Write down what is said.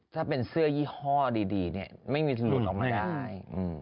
ถ้าเป็นเสื้อยี่ห้อดีเนี่ยไม่มีจะหลุดออกมาได้